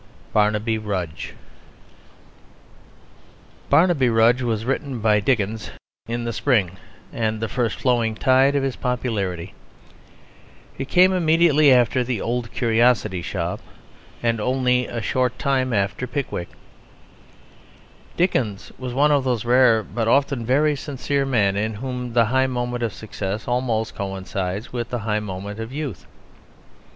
BARNABY RUDGE Barnaby Rudge was written by Dickens in the spring and first flowing tide of his popularity; it came immediately after The Old Curiosity Shop, and only a short time after Pickwick. Dickens was one of those rare but often very sincere men in whom the high moment of success almost coincides with the high moment of youth.